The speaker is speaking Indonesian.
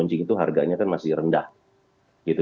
anjing itu harganya kan masih rendah gitu